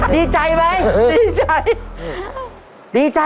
ดีใจไหมดีใจ